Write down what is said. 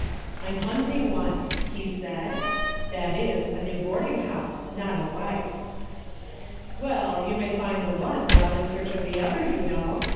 " I'm hunting one," he said, " that is, a new boarding house, not a wife." " Well, you may find the one while in search of the other, you know.